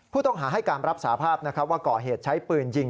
ผู้ต้องหาให้การรับสาภาพว่าก่อเหตุใช้ปืนยิง